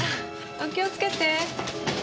お気をつけて。